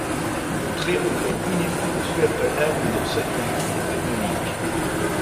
Le trait aujourd’hui n’est plus le seul apanage de l’enseignement compagnonnique.